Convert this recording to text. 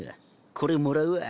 これもらうわ。